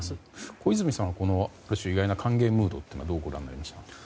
小泉さんはある種意外な歓迎ムードをどうご覧になりました？